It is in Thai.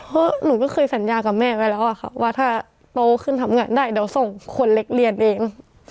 เพราะหนูไม่เคยสัญญากับแม่ไปแล้วอะค่ะว่าถ้าโตขึ้นทำงานได้เดี๋ยวส่งคนเล็กเรียนเอง